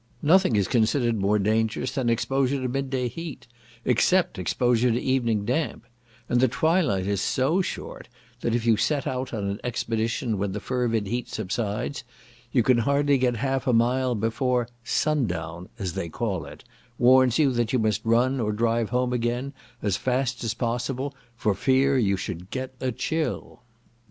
Nothing is considered more dangerous than exposure to midday heat, except exposure to evening damp; and the twilight is so short, that if you set out on an expedition when the fervid heat subsides, you can hardly get half a mile before "sun down," as they call it, warns you that you must run or drive home again, as fast as possible, for fear you should get "a chill."